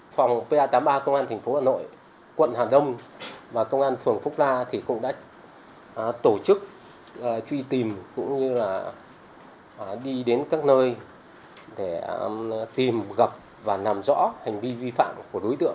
phòng pa tám mươi ba công an thành phố hà nội quận hà đông và công an phường phúc la cũng đã tổ chức truy tìm cũng như là đi đến các nơi để tìm gặp và làm rõ hành vi vi phạm của đối tượng